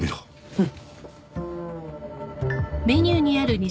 うん。